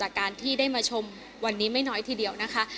การที่ได้มาชมวันนี้ไม่น้อยทีเดียวนะคะ